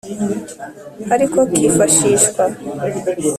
Ariko kifashishwa.